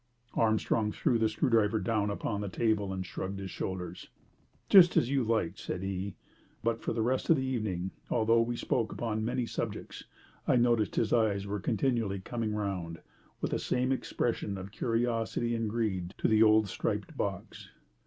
Armstrong threw the screwdriver down upon the table and shrugged his shoulders. "Just as you like," said he; but for the rest of the evening, although we spoke upon many subjects, I noticed that his eyes were continually coming round, with the same expression of curiosity and greed, to the old striped box.